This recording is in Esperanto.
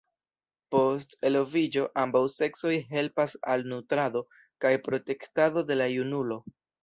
Post eloviĝo, ambaŭ seksoj helpas al nutrado kaj protektado de la junulo.